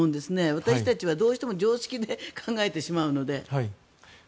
私たちはどうしても常識で考えてしまうので。